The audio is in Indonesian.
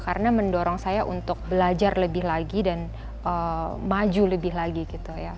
karena mendorong saya untuk belajar lebih lagi dan maju lebih lagi gitu ya